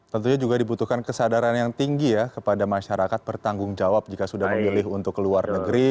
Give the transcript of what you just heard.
tentunya juga dibutuhkan kesadaran yang tinggi ya kepada masyarakat bertanggung jawab jika sudah memilih untuk ke luar negeri